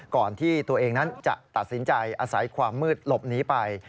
ก่อนที่ตัวเองนั้นจะตัดสินใจอาศัยความมืดหลบหนีไป